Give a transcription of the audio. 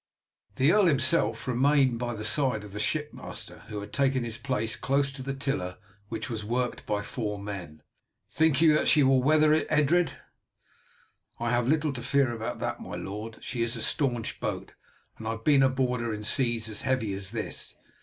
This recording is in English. The earl himself remained by the side of the ship master, who had taken his place close to the tiller, which was worked by four men. "Think you that she will weather it, Edred?" "I have little fear about that, my lord. She is a staunch boat, and I have been aboard her in seas as heavy as this.